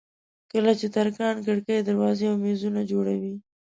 کله چې ترکاڼ کړکۍ دروازې او مېزونه جوړوي.